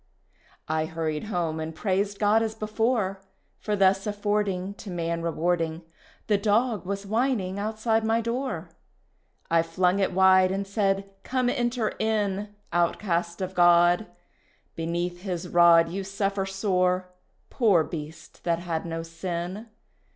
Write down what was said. I hurried home and praised God as before For thus affording To man rewarding, The dog was whining outside my door. I flung it wide, and said, Come enter in, Outcast of God. Beneath His rod You suffer sore, poor beast, that had no sin.